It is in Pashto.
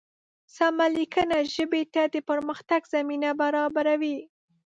سمه لیکنه ژبې ته د پرمختګ زمینه برابروي.